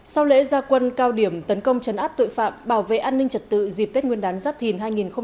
sau lễ gia quân cao điểm tấn công chấn áp tội phạm bảo vệ an ninh trật tự dịp tết nguyên đán giáp thìn hai nghìn hai mươi bốn